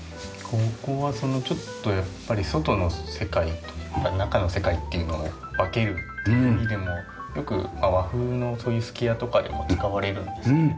ここはちょっとやっぱり外の世界と中の世界っていうのを分けるっていう意でもよく和風のそういう数寄屋とかでも使われるんですけど。